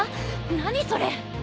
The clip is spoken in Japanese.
何それ！？